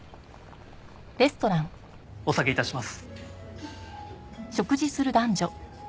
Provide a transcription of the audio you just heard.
お下げ致します。